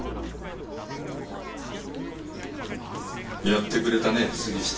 やってくれたね杉下。